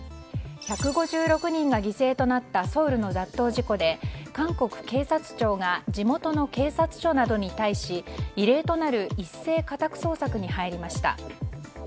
１５６人が犠牲となったソウルの雑踏事故で韓国警察庁が地元の警察署などに対し異例となる一斉家宅捜索に入りました。